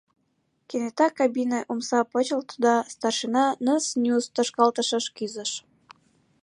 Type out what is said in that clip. Кенета кабине омса почылто да старшина ныз-нюз тошкалтышыш кӱзыш.